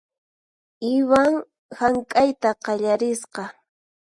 Ivan hank'ayta qallarisqa .